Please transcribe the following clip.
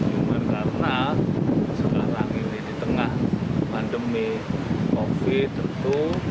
cuman karena sekarang ini di tengah pandemi covid itu